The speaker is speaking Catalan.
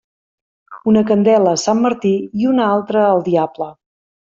Una candela a Sant Martí i una altra al diable.